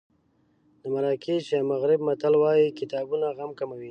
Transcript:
د مراکش یا مغرب متل وایي کتابونه غم کموي.